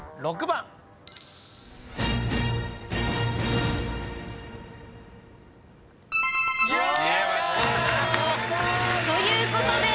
６番。ということで。